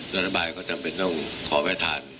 รัฐบาลก็จำเป็นต้องขอไปทาน